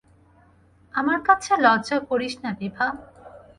আমার কাছে লজ্জা করিস না বিভা!